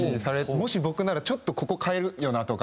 もし僕ならちょっとここ変えるよなとか。